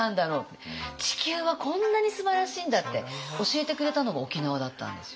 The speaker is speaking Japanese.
地球はこんなにすばらしいんだって教えてくれたのが沖縄だったんですよ。